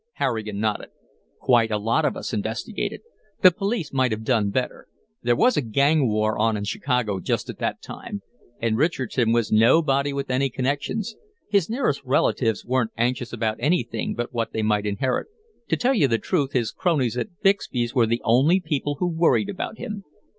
Harrigan nodded. "Quite a lot of us investigated. The police might have done better. There was a gang war on in Chicago just at that time, and Richardson was nobody with any connections. His nearest relatives weren't anxious about anything but what they might inherit; to tell the truth, his cronies at Bixby's were the only people who worried about him.